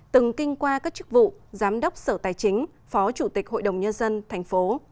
từng kinh qua các chức vụ giám đốc sở tài chính phó chủ tịch hội đồng nhân dân tp